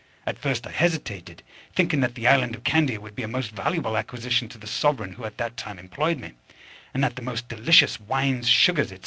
At first I hesitated, thinking that the island of Candia would be a most valuable acquisition to the sovereign who at that time employed me, and that the most delicious wines, sugar, &c.